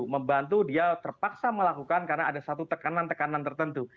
membantu dia terpaksa melakukan karena ada satu tekanan tekanan tertentu